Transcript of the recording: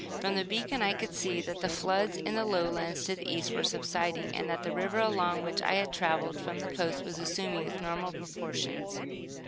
From the beacon I could see that the floods in the lowlands to the east were subsiding, and that the river along which I had traveled from the coast, was assuming its normal proportions.